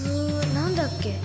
何だっけ？